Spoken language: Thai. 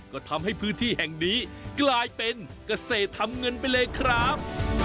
ก็ทำให้พื้นที่แห่งนี้กลายเป็นเกษตรทำเงินไปเลยครับ